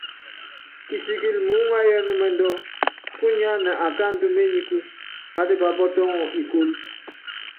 Pisikili muúŋayɔ ɛnúmɛndɔ kúnyánɛ akáandɔ ményiku, pátípa pɔtɔŋɔ ikólo.